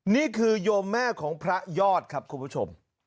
โยมแม่ของพระยอดครับคุณผู้ชม